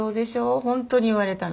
ホントに言われたの。